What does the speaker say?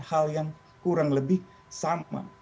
hal yang kurang lebih sama